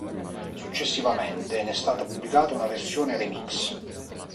Successivamente ne è stata pubblicata una versione remix.